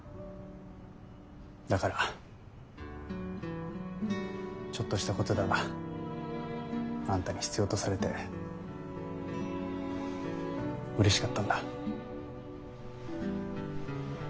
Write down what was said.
だからちょっとしたことだがあんたに必要とされてうれしかったんだ。